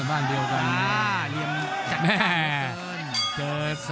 อ่าเรียบกันเยอะเซิร์น